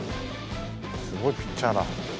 すごいピッチャーだ。